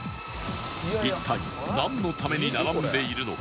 一体なんのために並んでいるのか？